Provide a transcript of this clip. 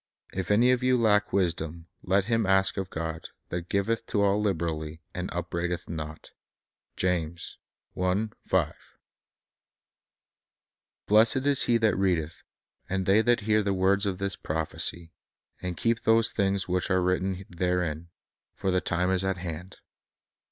" If any of you lack wis dom, let him ask of God, that giveth to all liberally, and upbraideth not."' 2 "Blessed is he that readeth, and they that hear the words of this prophecy, and keep those things which are written therein; for the time is at hand."